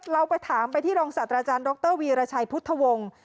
เราไปถามไปที่รองศาสตราจารย์ดรวีรชัยพุทธวงศ์